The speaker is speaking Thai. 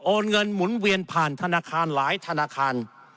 เงินหมุนเวียนผ่านธนาคารหลายธนาคาร